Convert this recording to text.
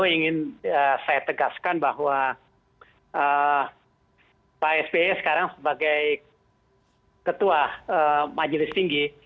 saya ingin saya tegaskan bahwa psb sekarang sebagai ketua majelis tinggi